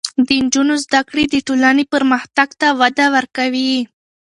د نجونو زده کړې د ټولنې پرمختګ ته وده ورکوي.